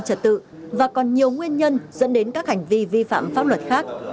mất trả tự và còn nhiều nguyên nhân dẫn đến các hành vi vi phạm pháp luật khác